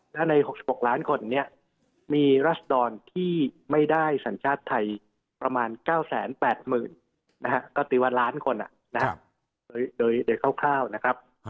และใน๖๖ล้านคนมีรัฐดรรมที่ไม่ได้สัญชาติไทยประมาณ๙๘๐๐๐๐ก็ตีวันล้านคนโดยคร่าวนะครับ